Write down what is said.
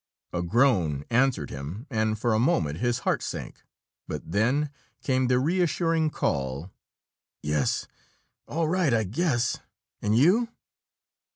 A groan answered him, and for a moment his heart sank, but then came the reassuring call: "Yes all right, I guess. And you?"